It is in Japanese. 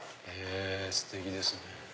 ステキですね。